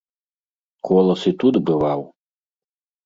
Колас і тут бываў!